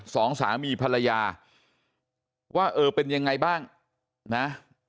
สองสามีภรรยาว่าเออเป็นยังไงบ้างนะ